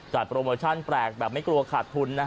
โปรโมชั่นแปลกแบบไม่กลัวขาดทุน